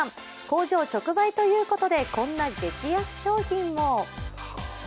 工場直売ということでこんな激安商品も。